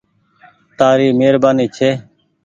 تآري مهرباني ڇي